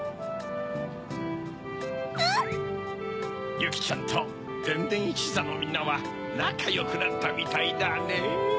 ゆきちゃんとでんでんいちざのみんなはなかよくなったみたいだねぇ。